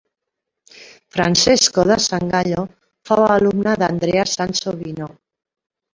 Francesco da Sangallo fou alumne d'Andrea Sansovino.